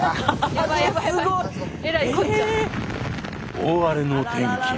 大荒れの天気に。